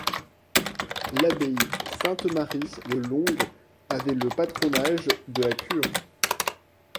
L'Abbaye Sainte-Marie de Longues avait le patronage de la cure.